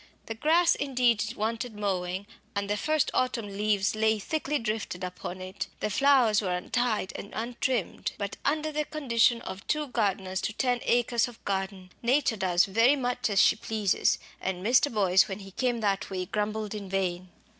The grass indeed wanted mowing, and the first autumn leaves lay thickly drifted upon it; the flowers were untied and untrimmed. But under the condition of two gardeners to ten acres of garden, nature does very much as she pleases, and Mr. Boyce when he came that way grumbled in vain.